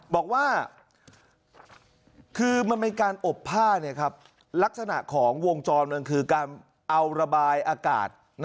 บอกว่าคือมันเป็นการอบผ้าลักษณะของวงจรมันคือการเอาระบายอากาศ